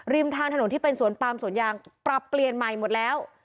ทางถนนที่เป็นสวนปามสวนยางปรับเปลี่ยนใหม่หมดแล้ว